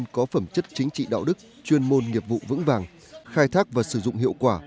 có phẩm chất chính trị đạo đức chuyên môn nghiệp vụ vững vàng khai thác và sử dụng hiệu quả